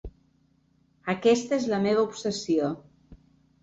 Aquesta és la meva obsessió.